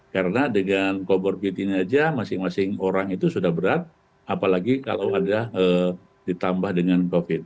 karena dengan comorbid ini saja masing masing orang itu sudah berat apalagi kalau ada ditambah dengan covid